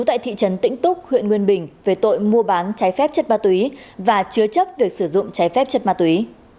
tại thị trấn tĩnh túc huyện nguyên bình về tội mua bán trái phép chất ma túy và chứa chấp việc sử dụng trái phép chất ma túy